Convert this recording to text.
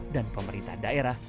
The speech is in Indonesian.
dan pemerintah daerah